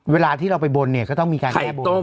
เวลาที่เราไปบนเนี่ยก็ต้องมีการแก้บน